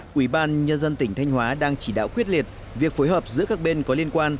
quỹ ban nhân dân tỉnh thanh hóa đang chỉ đạo quyết liệt việc phối hợp giữa các bên có liên quan